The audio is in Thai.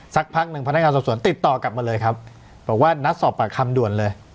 สักพักหนึ่งพนักงานสอบสวนติดต่อกลับมาเลยครับบอกว่านัดสอบปากคำด่วนเลย